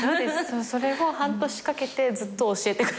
それを半年かけてずっと教えてくれた。